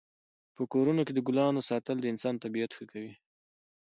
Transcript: په کورونو کې د ګلانو ساتل د انسان طبعیت ښه کوي.